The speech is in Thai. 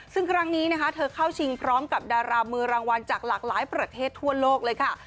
ซึ่งครั้งนี้นะคะเธอเข้าชิงพร้อมกับดารามือรางวัลจากหลากหลายประเทศทั่วโลกเลยค่ะ